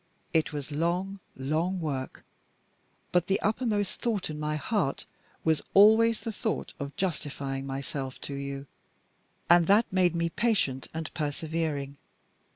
It was long, long work; but the uppermost thought in my heart was always the thought of justifying myself to you, and that made me patient and persevering.